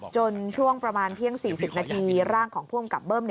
ช่วงประมาณเที่ยง๔๐นาทีร่างของผู้อำกับเบิ้ม